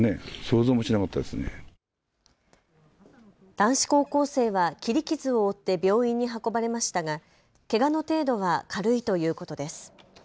男子高校生は切り傷を負って病院に運ばれましたがけがの程度は軽いということです。